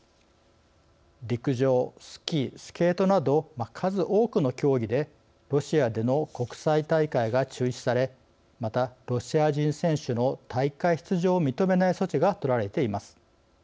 陸上、スキー、スケートなど数多くの競技でロシアでの国際大会が中止されまた、ロシア人選手の大会出場を認めない措置が取られています。